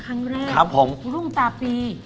พึ่งมาครั้งแรกรุ่งตาปี